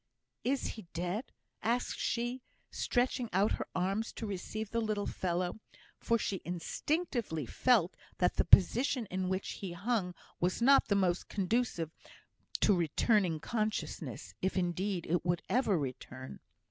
"Is he dead?" asked she, stretching out her arms to receive the little fellow; for she instinctively felt that the position in which he hung was not the most conducive to returning consciousness, if, indeed, it would ever return.